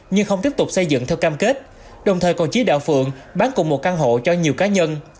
nhưng không tiếp tục xây dựng theo cam kết đồng thời còn chí đạo phượng bán cùng một căn hộ cho nhiều cá nhân